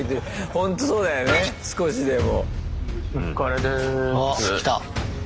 ほんとそうだよね少しでも。